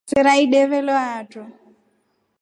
Sera ideve lo hatro.